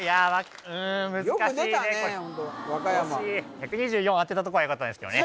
１２４当てたとこはよかったんですけどね